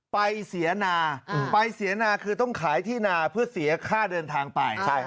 เสียนาไปเสียนาคือต้องขายที่นาเพื่อเสียค่าเดินทางไป